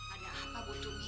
ada apa bu tumi